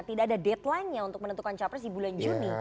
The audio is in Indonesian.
tidak ada datelinenya untuk menentukan capres di bulan juni